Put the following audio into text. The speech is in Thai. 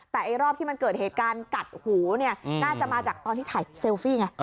แต่รอบที่มันเกิดเหตุการณ์กัดหูเนี่ยน่าจะมาจากตอนที่ถ่ายเซลฟี่ไง